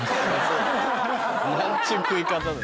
何ちゅう食い方だ。